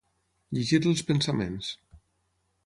Llegir-li els pensaments.